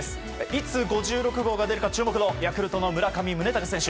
いつ５６号が出るか注目のヤクルトの村上宗隆選手。